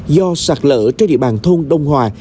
do sạt lỡ trên địa bàn thôn đông hòa